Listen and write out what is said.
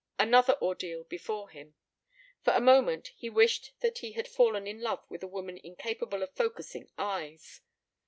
Another ordeal before him. For a moment he wished that he had fallen in love with a woman incapable of focussing eyes.